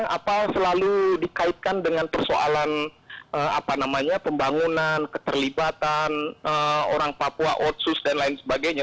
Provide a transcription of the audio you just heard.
apa selalu dikaitkan dengan persoalan apa namanya pembangunan keterlibatan orang papua otsus dan lain sebagainya